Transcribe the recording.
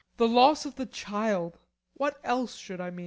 The loss of the child. What else should I mean?